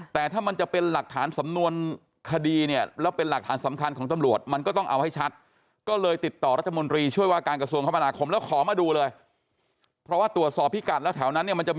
แต่ถ้ามันจะเป็นหลักฐานสำนวนคดีเนี่ยแล้วเป็นหลักฐานสำคัญของตำรวจ